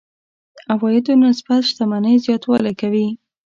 عوایدو نسبت شتمنۍ زياتوالی کوي.